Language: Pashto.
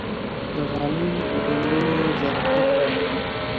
د غالۍ ګنډنه ظرافت غواړي.